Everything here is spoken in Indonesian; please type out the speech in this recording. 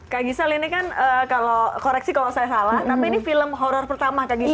kak gisel ini kan kalau koreksi kalau saya salah tapi ini film horror pertama kak gisel